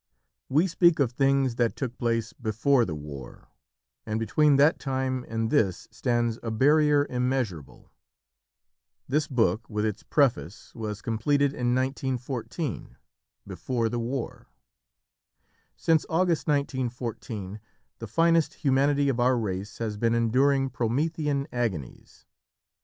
We speak of things that took place "Before the War"; and between that time and this stands a barrier immeasurable. This book, with its Preface, was completed in 1914 "Before the War." Since August 1914 the finest humanity of our race has been enduring Promethean agonies.